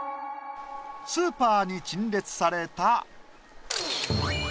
スーパーに陳列された。